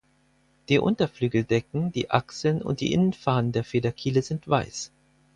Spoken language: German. Die Unterflügeldecken, die Achseln und die Innenfahnen der Federkiele sind weiß.